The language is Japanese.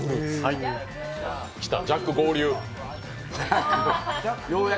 きた、ジャック合流。